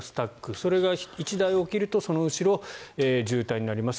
それが１台起きるとその後ろは渋滞になります。